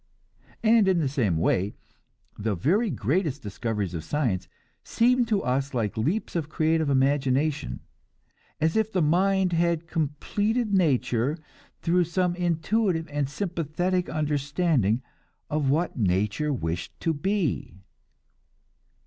And in the same way, the very greatest discoveries of science seem to us like leaps of creative imagination; as if the mind had completed nature, through some intuitive and sympathetic understanding of what nature wished to be.